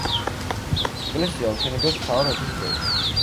ეკლესია აუშენებიათ თამარ მეფის დროს.